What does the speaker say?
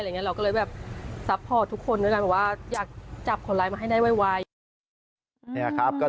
เราก็เลยแบบซัพพอร์ตทุกคนด้วยนะครับ